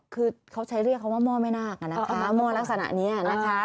คือเขาใช้เรียกเขาว่าหม้อแม่นาคม้อลักษณะนี้นะคะ